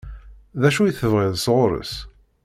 D acu i tebɣiḍ sɣur-s?